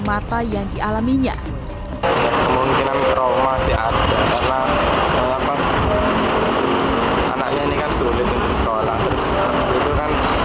mata yang dialaminya kemungkinan trauma sehat dalam anaknya ini kan sulit untuk sekolah terus